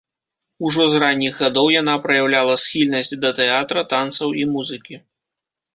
Ужо з ранніх гадоў яна праяўляла схільнасць да тэатра, танцаў і музыкі.